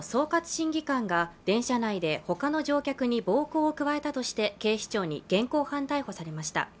審議官が電車内でほかの乗客に暴行を加えたとして警視庁に現行犯逮捕されました